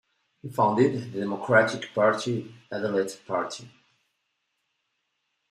He founded the Democratic Party Adilet party.